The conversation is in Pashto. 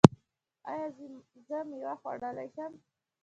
ایا زه میوه خوړلی شم؟